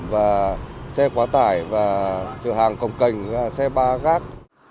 và xe quá tải và chở hàng công cành xe ba gác